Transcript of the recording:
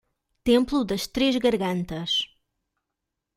Templo das Três Gargantas